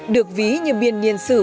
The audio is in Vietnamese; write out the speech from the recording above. được ví như biên nhiên xử